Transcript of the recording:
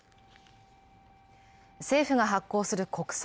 政府が発行する国債